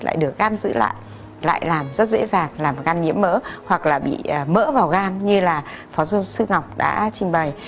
lại được gan giữ lại lại làm rất dễ dàng làm gan nhiễm mỡ hoặc là bị mỡ vào gan như là phó giáo sư ngọc đã trình bày